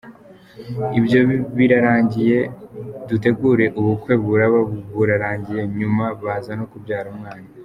Ibyo birarangira dutegura ubukwe buraba burarangira, nyuma baza no kubyara umwana.